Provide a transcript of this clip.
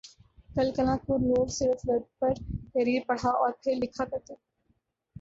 کل کلاں کو لوگ صرف ویب پر تحریر پڑھا اور پھر لکھا کر تھے